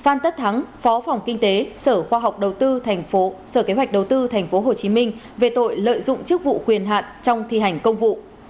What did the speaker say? phan tất thắng phó phòng kinh tế sở kế hoạch đầu tư tp hcm về tội lợi dụng chức vụ quyền hạn trong thi hành công vụ